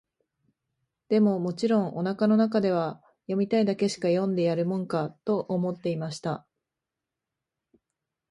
でも、もちろん、お腹の中では、読みたいだけしか読んでやるもんか、と思っていました。